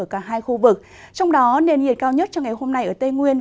ở cả hai khu vực trong đó nền nhiệt cao nhất cho ngày hôm nay ở tây nguyên